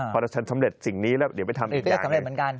พอเราสำเร็จสิ่งนี้แล้วเดี๋ยวไปทำอีกอย่าง